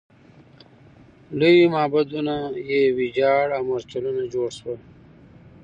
لوی معبدونه یې ویجاړ او مورچلونه جوړ شول.